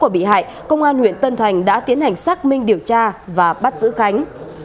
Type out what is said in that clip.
và bị hại công an huyện tân thành đã tiến hành xác minh điều tra và bắt giữ khánh